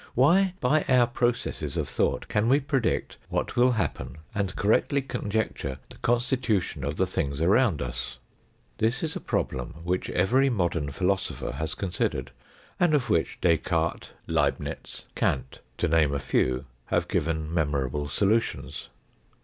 Why, by our processes oi thought, can we predict what will happen, and correctly conjecture the constitution of the things around us ? This is a problem which every modern philosopher has considered, and of which Descartes, Leibnitz, Kant, to name a few, have given memorable solutions.